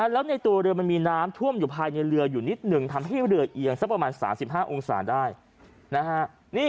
แล้วในตัวเรือมันมีน้ำท่วมอยู่ภายในเรืออยู่นิดหนึ่งทำให้เรือเอียงสักประมาณ๓๕องศาได้นะฮะ